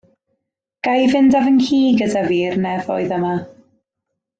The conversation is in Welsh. Ga i fynd â fy nghi gyda fi i'r nefoedd yma?